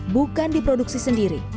bukan diproduksi sendiri